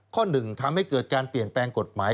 หนึ่งทำให้เกิดการเปลี่ยนแปลงกฎหมาย